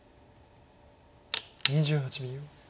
２８秒。